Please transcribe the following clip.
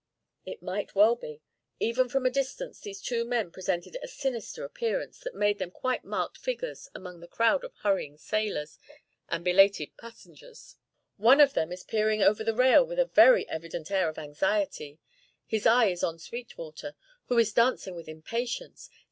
It might well be. Even from a distance these two men presented a sinister appearance that made them quite marked figures among the crowd of hurrying sailors and belated passengers. "One of them is peering over the rail with a very evident air of anxiety. His eye is on Sweetwater, who is dancing with impatience.